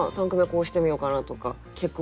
こうしてみようかなとか。